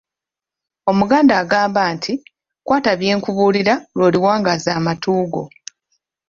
Omuganda agamba nti, "kwata byenkubuulira lw'oliwangaaza amatu go".